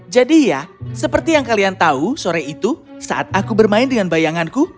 jadi ya seperti yang kalian tahu sore itu saat aku bermain dengan bayanganku